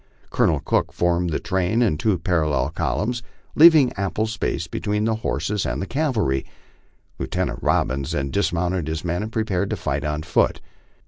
Colonel Cook formed the train in two parallel columns, leaving ample space between for the horses of the cavalry. Lieu tenant Robbins then dismounted his men and prepared to fight on foot.